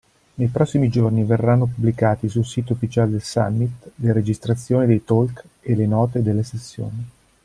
Nei prossimi giorni verranno pubblicati sul sito ufficiale del summit le registrazione dei talk e le note delle sessioni.